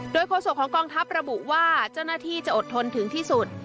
โดยโฆษกของกองทัพระบุว่าเจ้าหน้าที่จะอดทนถึงที่สุด